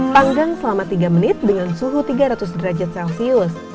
panggang selama tiga menit dengan suhu tiga ratus derajat celcius